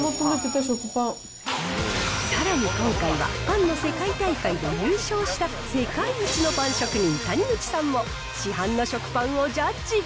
さらに今回は、パンの世界大会で優勝した世界一のパン職人、谷口さんも市販の食パンをジャッジ。